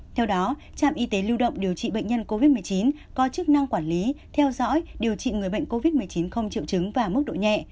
theo đó trạm y tế lưu động điều trị bệnh nhân covid một mươi chín có chức năng quản lý theo dõi điều trị người bệnh covid một mươi chín không triệu chứng và mức độ nhẹ